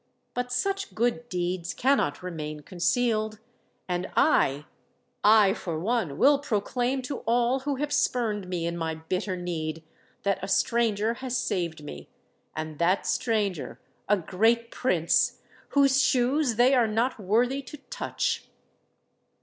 But such good deeds cannot remain concealed; and I—I for one will proclaim to all who have spurned me in my bitter need, that a stranger has saved me—and that stranger a great Prince whose shoes they are not worthy to touch!"